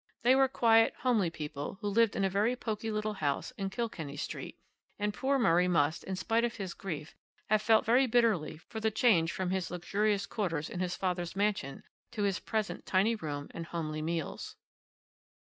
They were quiet, homely people, who lived in a very pokey little house in Kilkenny Street, and poor Murray must, in spite of his grief, have felt very bitterly the change from his luxurious quarters in his father's mansion to his present tiny room and homely meals.